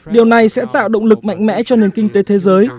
điều này sẽ tạo động lực mạnh mẽ cho nền kinh tế thế giới